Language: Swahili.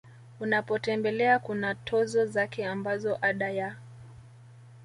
unapotembelea kuna tozo zake ambapo Ada ya